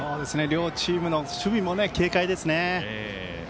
両チームの守備も軽快ですね。